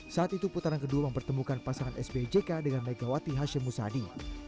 saat itu putaran kedua mempertemukan pasangan sby jk dengan megawati hashim musadi